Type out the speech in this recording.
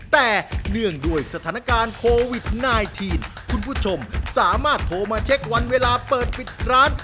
แต่เนื่องด้วยสถานการณ์โควิด๑๙คุณผู้ชมสามารถโทรมาเช็ควันเวลาเปิดปิดร้าน